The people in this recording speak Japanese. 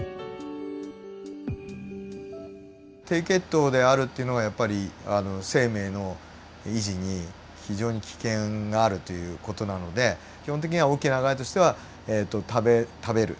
低血糖であるっていうのがやっぱり生命の維持に非常に危険があるという事なので基本的には大きな流れとしては食べる。